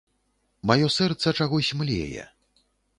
Маё сэрца чагось млее.